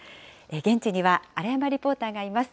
現地には荒山リポーターがいます。